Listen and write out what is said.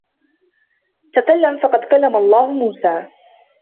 تكلم فقد كلم الله موسى